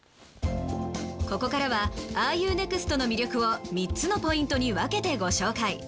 ここからは『ＲＵＮｅｘｔ？』の魅力を３つのポイントに分けてご紹介。